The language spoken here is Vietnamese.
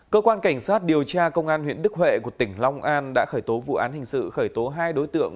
cơ quan cảnh sát điều tra công an huyện đức huệ của tỉnh long an đã khởi tố vụ án hình sự khởi tố hai đối tượng